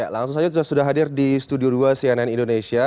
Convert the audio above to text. langsung saja sudah hadir di studio dua cnn indonesia